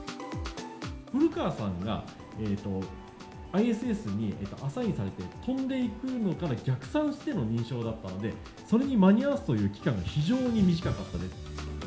古川さんがＩＳＳにアサインされて、飛んでいくのに逆算しての認証だったので、それに間に合わすという期間が非常に短かったです。